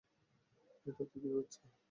এটা দিদির বাচ্চা?